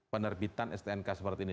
penerbitan stnk seperti ini